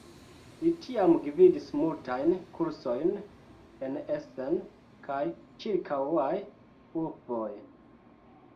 Li tiam gvidis multajn kursojn en Essen kaj ĉirkaŭaj urboj.